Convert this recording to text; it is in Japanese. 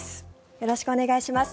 よろしくお願いします。